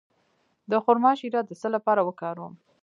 د خرما شیره د څه لپاره وکاروم؟